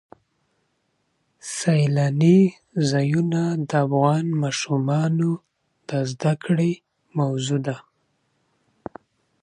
سیلانی ځایونه د افغان ماشومانو د زده کړې موضوع ده.